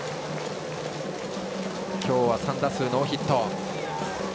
今日は３打数ノーヒット。